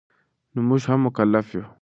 نو مونږ هم مکلف یو